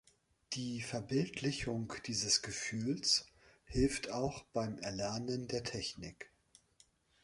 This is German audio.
Die Verbildlichung dieses Gefühls hilft auch beim Erlernen der Technik.